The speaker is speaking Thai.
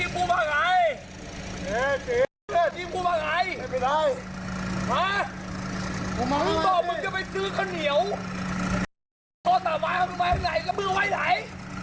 มึงบอกมึงก็ไปซื้อข้าวเหนียวโต๊ะตาว้ายเข้ามาให้ไหนก็มือไว้ไถ